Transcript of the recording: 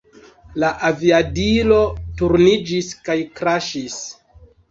La aviadilo turniĝis kaj kraŝis.